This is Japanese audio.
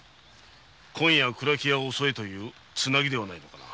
「今夜蔵木屋を襲え」というツナギではないのか？